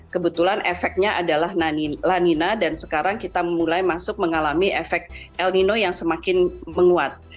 kebetulan efeknya adalah lanina dan sekarang kita mulai masuk mengalami efek el nino yang semakin menguat